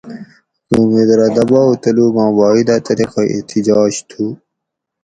حکومت رہ دباؤ تلوگاں واحد اۤ طریقہ احتجاج تھو